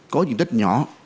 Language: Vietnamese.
có diện tích nhỏ